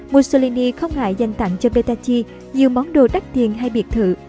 mussolini không ngại dành tặng cho petachi nhiều món đồ đắt tiền hay biệt thự